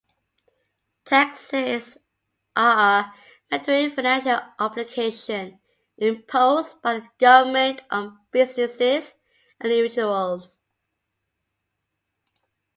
Taxes are a mandatory financial obligation imposed by the government on businesses and individuals.